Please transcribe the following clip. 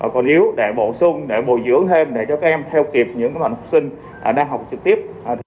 còn yếu để bổ sung để bồi dưỡng thêm để cho các em theo kịp những học sinh đang học trực tuyến